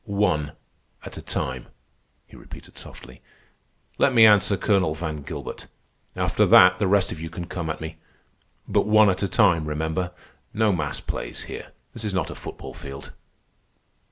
"One at a time," he repeated softly. "Let me answer Colonel Van Gilbert. After that the rest of you can come at me—but one at a time, remember. No mass plays here. This is not a football field.